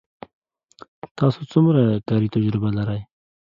تاسو څومره کاري تجربه لرئ